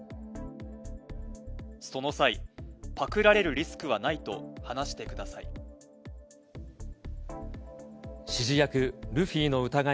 その際、パクられるリスクはないと話してください。